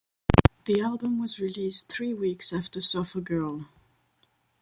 The album was released three weeks after "Surfer Girl".